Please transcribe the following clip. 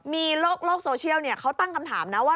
มีโลกโซเชียลเขาตั้งคำถามนะว่า